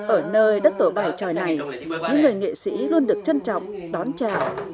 ở nơi đất tổ bài tròi này những người nghệ sĩ luôn được trân trọng đón chào